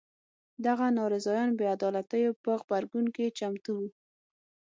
دغه ناراضیان بې عدالیتو په غبرګون کې چمتو وو.